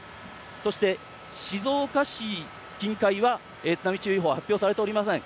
そして静岡市近海は津波注意報は発表されておりません。